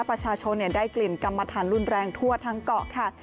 ประชาชนได้กลิ่นกรรมฐานรุนแรงทั่วทั้งเกาะค่ะ